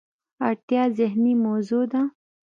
اړتیا ذهني موضوع ده.